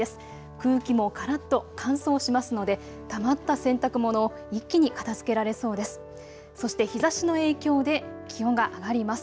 空気もからっと乾燥しますのでたまった洗濯物を一気に片づけられそうです。